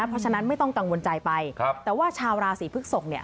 เพราะฉะนั้นไม่ต้องกังวลใจไปแต่ว่าชาวราศีพฤกษกเนี่ย